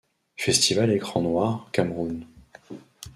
Festival Écrans Noirs – Cameroun.